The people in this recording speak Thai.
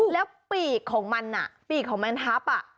แล้วปีกของมันปีกของแมนทับ